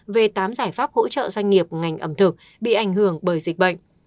về tám giải pháp hỗ trợ doanh nghiệp ngành ẩm thực bị ảnh hưởng bởi dịch bệnh